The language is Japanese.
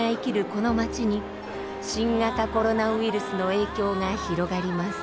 この街に新型コロナウイルスの影響が広がります。